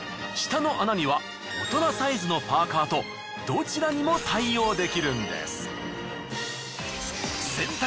下の穴には大人サイズのパーカーとどちらにも対応できるんです。